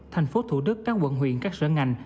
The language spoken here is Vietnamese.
thành phố thủ đức các quận huyện các sở ngành